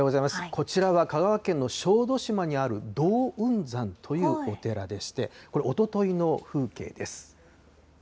こちらは香川県の小豆島にある、洞雲山というお寺でして、これ、おとといの風景です。